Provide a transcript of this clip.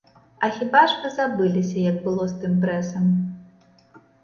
А хіба ж вы забыліся, як было з тым прэсам?